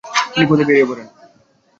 তিনি পথে বেরিয়ে পড়েন।